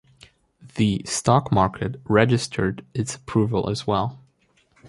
The stock market registered its approval as well.